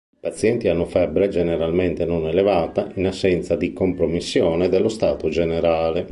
I pazienti hanno febbre, generalmente non elevata, in assenza di compromissione dello stato generale.